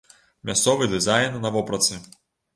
Мясцовы дызайн на вопратцы.